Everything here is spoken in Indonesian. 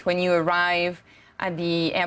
ketika anda tiba di